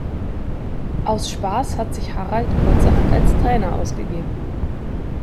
Aus Spaß hat sich Harald kurzerhand als Trainer ausgegeben.